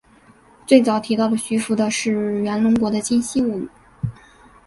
最早提到徐福的是源隆国的今昔物语。